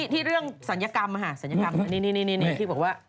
ที่เรื่องศัลยกรรมศัลยกรรมอันนี้ที่บอกว่า